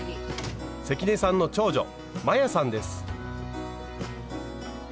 関根さんの長女摩耶さんです。